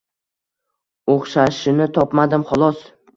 Uxshashini topmadim xolos